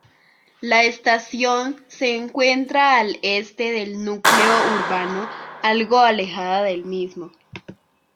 La estación se encuentra al este del núcleo urbano algo alejada del mismo.